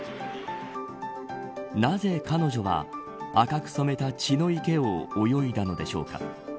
なぜ、彼女は赤く染めた血の池を泳いだのでしょうか。